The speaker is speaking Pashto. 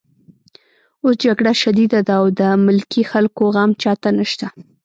اوس جګړه شدیده ده او د ملکي خلکو غم چاته نشته